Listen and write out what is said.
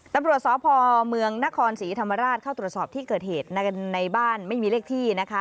ตำรวจสพเมืองนครศรีธรรมราชเข้าตรวจสอบที่เกิดเหตุในบ้านไม่มีเลขที่นะคะ